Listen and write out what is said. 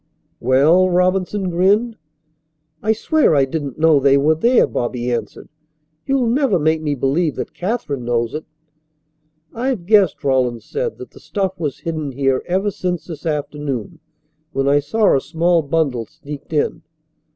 "Well?" Robinson grinned. "I swear I didn't know they were there," Bobby answered. "You'll never make me believe that Katherine knows it." "I've guessed," Rawlins said, "that the stuff was hidden here ever since this afternoon when I saw a small bundle sneaked in."